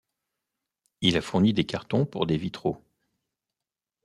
Il a fourni des cartons pour des vitraux.